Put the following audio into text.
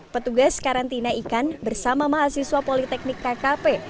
petugas karantina ikan bersama mahasiswa politeknik kkp